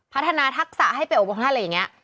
พัฒนาทักษะให้ไปอบรมท่าอะไรอย่างนี้